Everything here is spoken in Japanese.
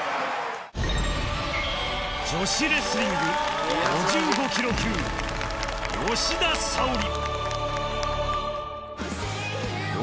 女子レスリング５５キロ級吉田沙保里